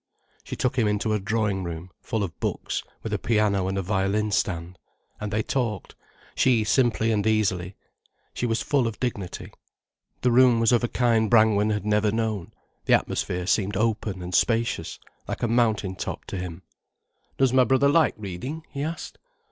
She took him into a drawing room, full of books, with a piano and a violin stand. And they talked, she simply and easily. She was full of dignity. The room was of a kind Brangwen had never known; the atmosphere seemed open and spacious, like a mountain top to him. "Does my brother like reading?" he asked.